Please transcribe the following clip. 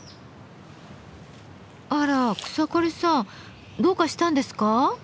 あら草刈さんどうかしたんですか？